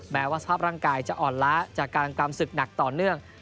แม้ว่าสภาพร่างกายจะอ่อนล้าจากการกรรมศึกหนักต่อเนื่อง